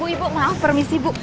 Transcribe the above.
ibu maaf permisi bu